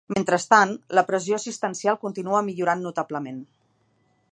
Mentrestant, la pressió assistencial continua millorant notablement.